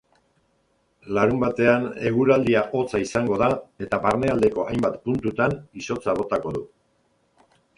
Larunbatean, eguraldia hotza izango da eta barnealdeko hainbat puntutan izotza botako du.